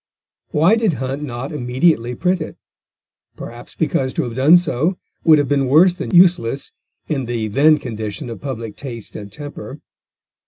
Why did Hunt not immediately print it? Perhaps because to have done so would have been worse than useless in the then condition of public taste and temper.